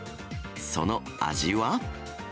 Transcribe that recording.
その味は？